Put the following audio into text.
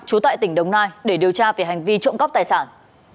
trú tại tỉnh đồng nai để điều tra về hành vi trộm cắp tài sản